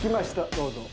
どうぞ。